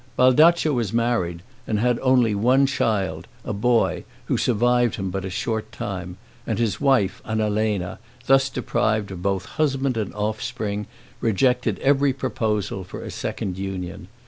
Baldaccio was married, and had only one child, a boy, who survived him but a short time; and his wife, Annalena, thus deprived of both husband and offspring, rejected every proposal for a second union.